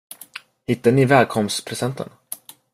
Hittade ni välkomstpresenten?